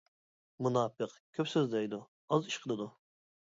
مۇناپىق كۆپ سۆزلەيدۇ، ئاز ئىش قىلىدۇ.